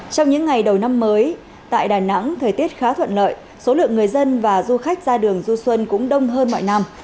trong những ngày đầu năm mới tại đà nẵng thời tiết khá thuận lợi số lượng người dân và du khách ra đường du xuân cũng đông hơn mọi năm